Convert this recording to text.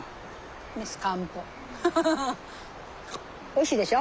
おいしいでしょ？